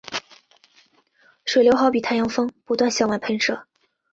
水流好比太阳风不断向外喷射。